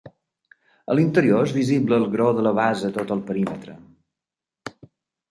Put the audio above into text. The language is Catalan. A l'interior és visible el graó de la base a tot el perímetre.